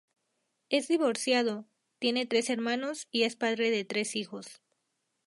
Es divorciado, tiene tres hermanos y es padre de tres hijos.